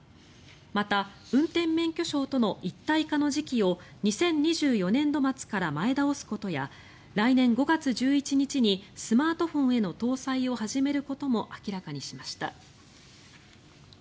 また運転免許証との一体化の時期を２０２４年度末から前倒すことや来年５月１１日にスマートフォンへの搭載を始めることも明らかにしました。